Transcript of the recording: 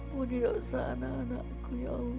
budi osana anakku yang